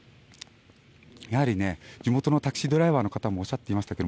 やはり地元のタクシードライバーの方もおっしゃっていましたけど